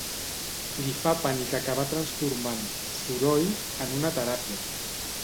Li fa pànic acabar transformant «Soroll» en una teràpia.